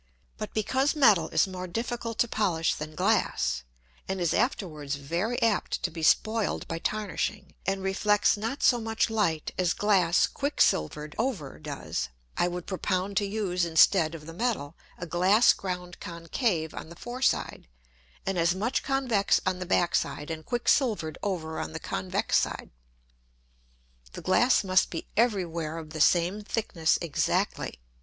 But because Metal is more difficult to polish than Glass, and is afterwards very apt to be spoiled by tarnishing, and reflects not so much Light as Glass quick silver'd over does: I would propound to use instead of the Metal, a Glass ground concave on the foreside, and as much convex on the backside, and quick silver'd over on the convex side. The Glass must be every where of the same thickness exactly.